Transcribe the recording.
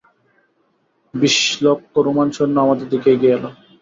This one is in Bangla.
বিশ লক্ষ রোমান সৈন্য আমাদের দিকে এগিয়ে এল।